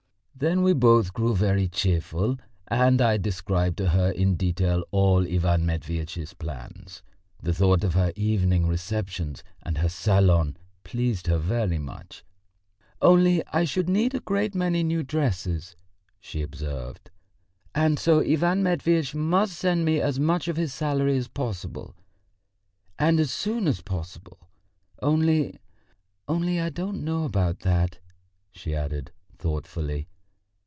Then we both grew very cheerful, and I described to her in detail all Ivan Matveitch's plans. The thought of her evening receptions and her salon pleased her very much. "Only I should need a great many new dresses," she observed, "and so Ivan Matveitch must send me as much of his salary as possible and as soon as possible. Only ... only I don't know about that," she added thoughtfully.